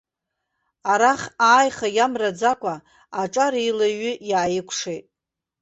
Арахь ааиха иамраӡакәагьы, аҿар еилаҩҩы иааикәшеит.